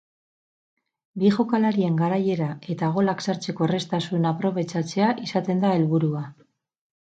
Bi jokalarien garaiera eta golak sartzeko errastasuna aprobetxatzea izaten da helburua.